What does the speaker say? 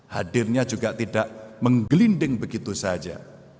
hadirnya juga tidak menggelinding begitu saja